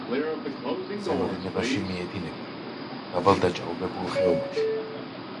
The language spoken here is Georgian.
ზემო დინებაში მიედინება დაბალ, დაჭაობებულ ხეობაში.